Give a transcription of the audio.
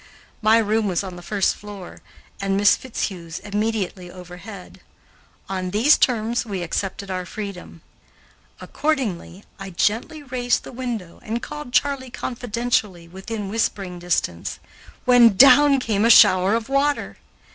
My room was on the first floor, and Miss Fitzhugh's immediately overhead. On these terms we accepted our freedom. Accordingly, I gently raised the window and called Charley confidentially within whispering distance, when down came a shower of water.